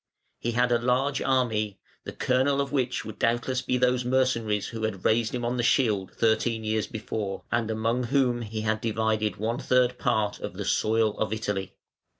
He had a large army, the kernel of which would doubtless be those mercenaries who had raised him on the shield thirteen years before, and among whom he had divided one third part of the soil of Italy.